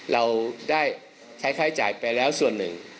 เราใช้ค่อยใหนไปแล้วส่วนหนึ่ง